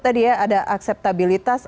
tadi ya ada akseptabilitas